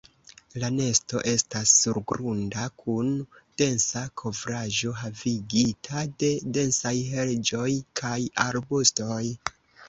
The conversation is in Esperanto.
La nesto estas surgrunda, kun densa kovraĵo havigita de densaj heĝoj kaj arbustoj.